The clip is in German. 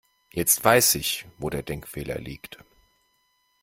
Jetzt weiß ich, wo der Denkfehler liegt.